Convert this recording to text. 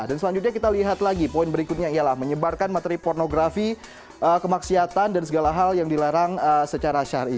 dan selanjutnya kita lihat lagi poin berikutnya ialah menyebarkan materi pornografi kemaksiatan dan segala hal yang dilarang secara syari